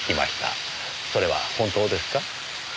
それは本当ですか？